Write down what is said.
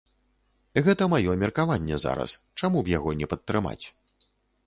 Гэта маё меркаванне зараз, чаму б яго не падтрымаць.